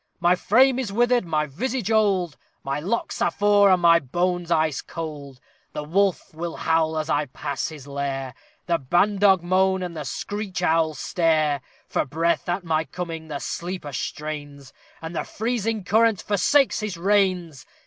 My frame is withered, my visage old, My locks are frore, and my bones ice cold. The wolf will howl as I pass his lair, The ban dog moan, and the screech owl stare. For breath, at my coming, the sleeper strains, And the freezing current forsakes his veins!